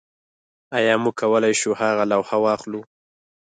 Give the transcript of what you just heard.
ایا موږ کولی شو هغه لوحه واخلو